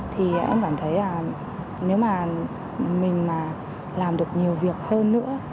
thì em cảm thấy là nếu mà mình mà làm được nhiều việc hơn nữa